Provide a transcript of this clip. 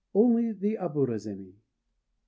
Only the aburazémi!